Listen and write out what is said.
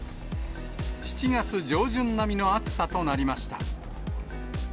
７月上旬並みの暑さとなりました。